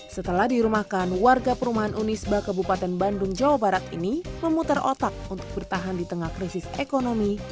setelah dirumahkan warga perumahan unisba kabupaten bandung jawa barat ini memutar otak untuk bertahan di tengah krisis ekonomi